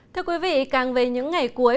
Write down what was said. thưa quý vị càng về những ngày cuối